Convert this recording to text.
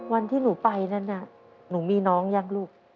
วันที่หนูไปนั้นน่ะหนูมีน้องยังลูก